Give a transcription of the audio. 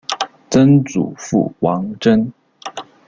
曾祖父王珍。